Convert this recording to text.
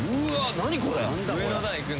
何これ？